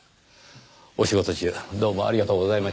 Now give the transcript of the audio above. お仕事中どうもありがとうございました。